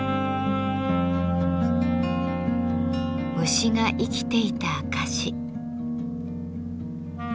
虫が生きていた証し。